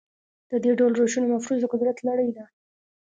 د دې ډول روشونو مفروض د قدرت لړۍ ده.